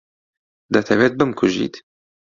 دەتەوێت بمکوژیت؟